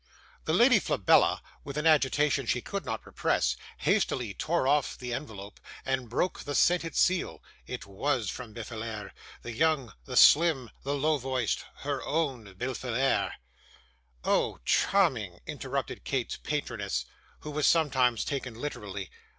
'The Lady Flabella, with an agitation she could not repress, hastily tore off the ENVELOPE and broke the scented seal. It WAS from Befillaire the young, the slim, the low voiced HER OWN Befillaire.' 'Oh, charming!' interrupted Kate's patroness, who was sometimes taken literary.